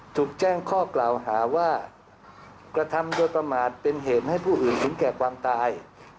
ถูกแจ้งข้อกล่าวหาว่ากระทำโดยประมาทเป็นเหตุให้ผู้อื่นถึงแก่ความตาย